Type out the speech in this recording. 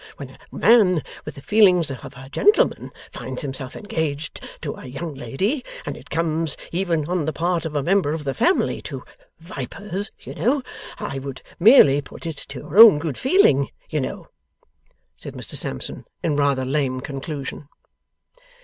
When a man with the feelings of a gentleman finds himself engaged to a young lady, and it comes (even on the part of a member of the family) to vipers, you know! I would merely put it to your own good feeling, you know,' said Mr Sampson, in rather lame conclusion.